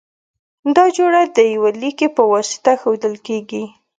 دا جوړه د یوه لیکي په واسطه ښودل کیږی.